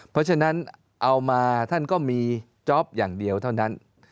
เพราะฉะนั้นเอามาท่านก็มีจ๊อปอย่างเดียวเท่านั้น